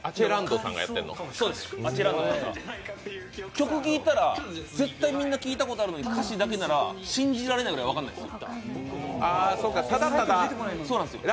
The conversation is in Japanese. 曲聴いたら絶対みんな聴いたことあるのに歌詞だけなら分かるのに、信じられないぐらい分からないんです。